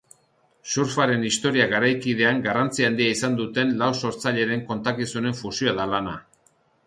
Surfaren historia garaikidean garrantzia handia izan duten lau sortzaileren kontakizunen fusioa da lana.